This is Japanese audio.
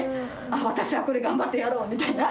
私はこれ頑張ってやろう！みたいな。